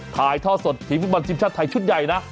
ถ่ายท่อสดทีมฟุตบอลทีมชาติไทยชุดใหญ่นะ